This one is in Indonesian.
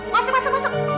masuk masuk masuk